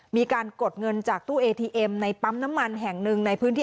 มีการกดเงินจากตู้เอทีเอ็มในปั๊มน้ำมันแห่งหนึ่งในพื้นที่